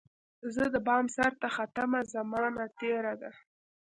چي زه دبام سرته ختمه، زمانه تیره ده